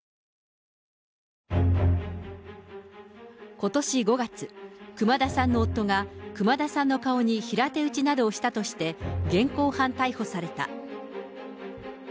ことし５月、熊田さんの夫が熊田さんの顔に平手打ちなどをしたとして、現行犯逮捕された。